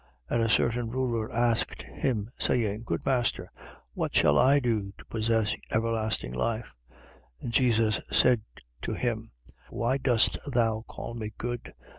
18:18. And a certain ruler asked him, saying: Good master, what shall I do to possess everlasting life? 18:19. And Jesus said to him: Why dost thou call me good?